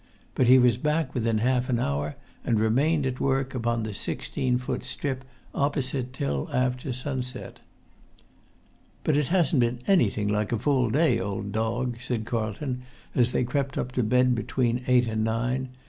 But he was back within half an hour, and remained at work upon the sixteen foot strip opposite till after sunset. "But it hasn't been anything like a full day, old dog," said Carlton, as they crept up to bed between eight and nine.